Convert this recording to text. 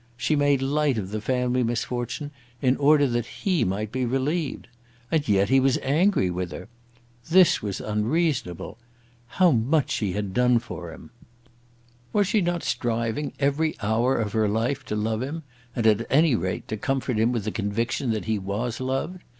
She had made light of the family misfortune, in order that he might be relieved. And yet he was angry with her! This was unreasonable. How much had she done for him! Was she not striving every hour of her life to love him, and, at any rate, to comfort him with the conviction that he was loved?